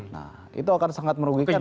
nah itu akan sangat merugikan